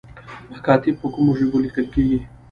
مکاتیب په کومو ژبو لیکل کیږي؟